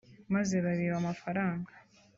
maze babiba amafaranga